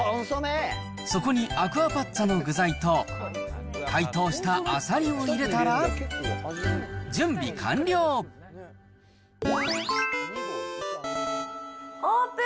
そこにアクアパッツァの具材と、解凍したあさりを入れたら、準備オープン。